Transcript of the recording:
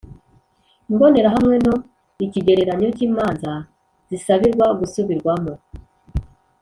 Imbonerahamwe no ikigereranyo cy imanza zisabirwa gusubirwamo